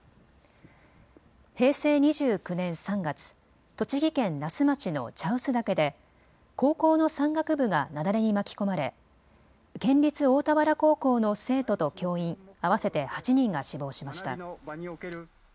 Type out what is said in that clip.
平成２９年３月、栃木県那須町の茶臼岳で高校の山岳部が雪崩に巻き込まれ県立大田原高校の生徒と教員合わせて８人が死亡しました。